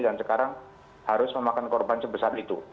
sekarang harus memakan korban sebesar itu